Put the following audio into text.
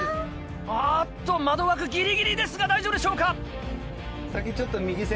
あっと窓枠ギリギリですが大丈夫でしょうか？